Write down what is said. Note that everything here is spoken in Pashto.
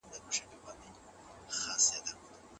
په سياست کي ريښتينولي او صداقت تر ټولو مهم ارزښتونه دي.